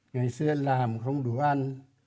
ngày xưa làm không đủ ăn